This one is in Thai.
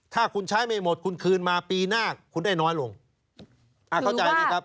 ถ้าคุณใช้ไม่หมดคุณคืนมาปีหน้าคุณได้น้อยลงอ่าเข้าใจไหมครับ